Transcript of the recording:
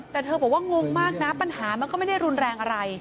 แต่เธอบอกว่างงมากนะปัญหามันก็ไม่ได้รุนแรงอะไร